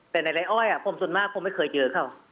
แต่ในไร้อ้อยผมส่วนมากผมไม่เคยเจอเขา